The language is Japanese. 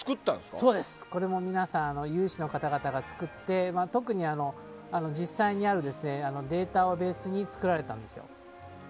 有志の方々が作って特に実際にあるデータをベースに作られたんですよ。